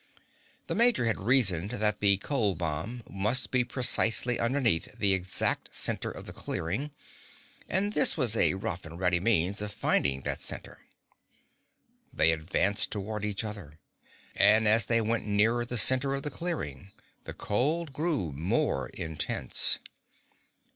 The major had reasoned that the cold bomb must be precisely underneath the exact center of the clearing, and this was a rough and ready means of finding that center. They advanced toward each other, and as they went nearer the center of the clearing the cold grew more intense.